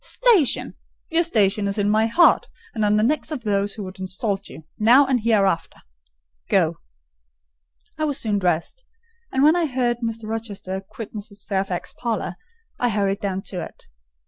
station!—your station is in my heart, and on the necks of those who would insult you, now or hereafter.—Go." I was soon dressed; and when I heard Mr. Rochester quit Mrs. Fairfax's parlour, I hurried down to it.